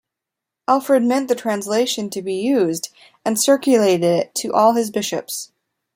Alfred meant the translation to be used, and circulated it to all his bishops.